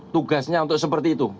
tugasnya untuk seperti itu